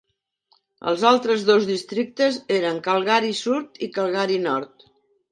Els altres dos districtes eren Calgary Sud i Calgary Nord.